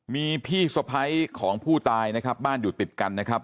มีพี่สะพ้ายของผู้ตายนะครับบ้านอยู่ติดกันนะครับ